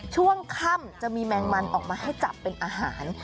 ช่วงค่ำจะมีแมงมันออกมาให้จับเป็นอาหาร